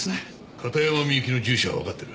片山みゆきの住所はわかってる。